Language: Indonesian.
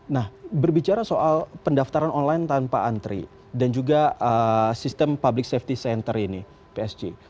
nah berbicara soal pendaftaran online tanpa antri dan juga sistem public safety center ini psj